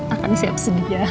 akan siap sedia